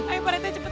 ayo pak rete cepetan